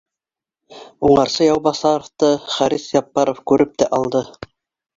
Уңарсы Яубаҫаровты Харис Яппаров күреп тә алды: